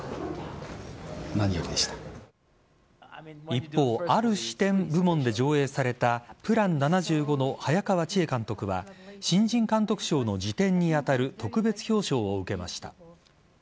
一方ある視点部門で上映された「ＰＬＡＮ７５」の早川千絵監督は新人監督賞の次点に当たる特別表彰を受けました。